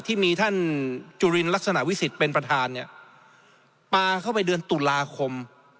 ที่มีท่านจุลินลักษณะวิสิทธิ์เป็นประธานเนี่ยปลาเข้าไปเดือนตุลาคม